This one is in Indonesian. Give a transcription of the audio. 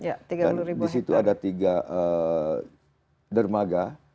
dan disitu ada tiga dermaga